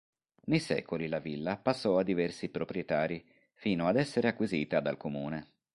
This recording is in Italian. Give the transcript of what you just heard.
Nei secoli la villa passò a diversi proprietari, fino ad essere acquisita dal Comune.